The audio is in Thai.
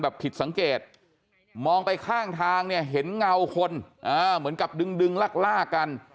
แบบผิดสังเกตมองไปข้างทางเห็นเงาคนเหมือนกับดึงดึงล่ากลากัน